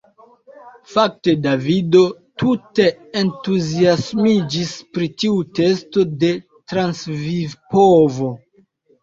Fakte Davido tute entuziasmiĝis pri tiu testo de transvivpovo.